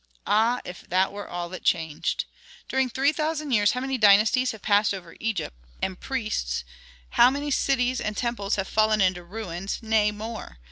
Ah, if that were all that changed! During three thousand years how many dynasties have passed over Egypt, and priests, how many cities and temples have fallen into ruins; nay more!